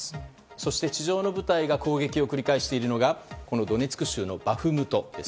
そして、地上の部隊が攻撃を繰り返しているのがドネツク州のバフムトです。